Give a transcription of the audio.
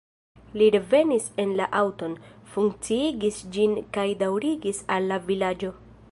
Li revenis en la aŭton, funkciigis ĝin kaj daŭrigis al la vilaĝo.